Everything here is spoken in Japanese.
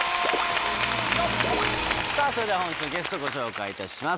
それでは本日のゲストご紹介いたします。